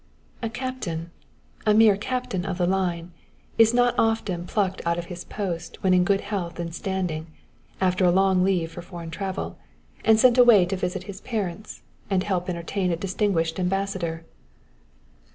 "A captain a mere captain of the line is not often plucked out of his post when in good health and standing after a long leave for foreign travel and sent away to visit his parents and help entertain a distinguished Ambassador."